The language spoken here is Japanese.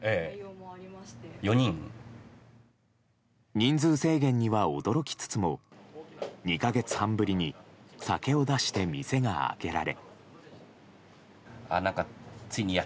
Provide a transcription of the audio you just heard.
人数制限には驚きつつも２か月半ぶりに酒を出して店が開けられ。